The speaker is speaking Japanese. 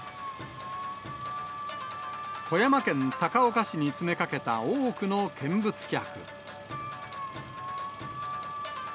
富山県高岡市に詰めかけた多くの見物客。